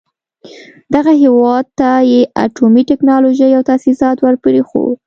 دغه هېواد ته يې اټومي ټکنالوژۍ او تاسيسات ور پرېښول.